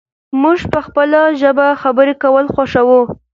موږ په خپله ژبه خبرې کول خوښوو.